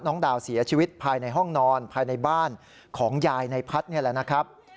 น้องดาวเสียชีวิตภายในห้องนอนภายในบ้านของยายในพัฒน์นี่แหละนะครับ